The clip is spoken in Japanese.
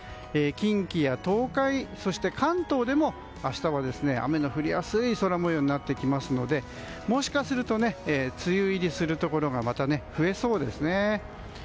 近畿や東海、関東でも明日は雨の降りやすい空模様になってきますのでもしかすると梅雨入りするところがまた増えそうですね。